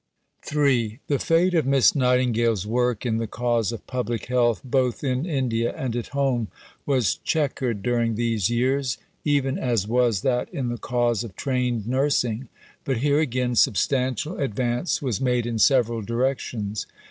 III The fate of Miss Nightingale's work in the cause of Public Health both in India and at home was chequered during these years, even as was that in the cause of trained nursing, but here again substantial advance was made in several directions.